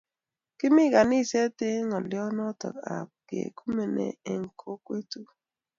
Kimi kaniset eng ngolyot noto ab kiekumene eng kokwet tukul